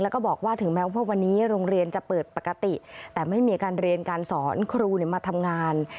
แล้วก็บอกว่าถึงแม้ว่าวันนี้โรงเรียนจะเปิดปกติแต่ไม่มีการเรียนการสอนครูมาทำงาน